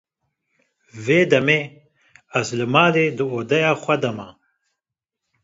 Vê demê, Ez li malê di odeya xwe de me.